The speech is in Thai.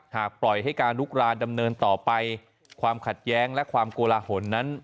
หากปล่อยให้การลุกรานดำเนินต่อไปความขัดแย้งและความโกลาหลนั้น